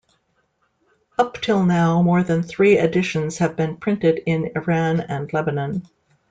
Up till now more than three editions have been printed in Iran and Lebanon.